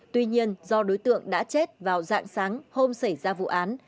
tuy nhiên do đối tượng đã chết vào dạng sáng hôm xảy ra vụ án